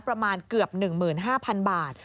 ประมาณเกือบ๑๕๐๐๐บาท